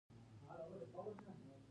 د افغانستان په منظره کې باران ښکاره ده.